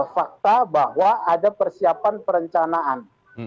fakta bahwa ada persiapan perencanaan